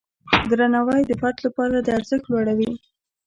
درناوی د فرد لپاره د ارزښت لوړوي.